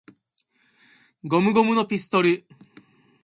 ゴムゴムのピストル!!!